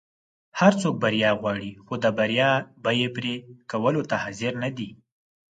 هر څوک بریا غواړي خو د بریا بیی پری کولو ته حاضر نه دي.